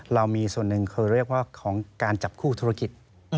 เรามีส่วนหนึ่งคือเรียกว่าของการจับคู่ธุรกิจ